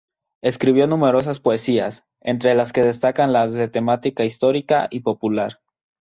Escribió numerosas poesías, entre las que destacan las de temática histórica y popular.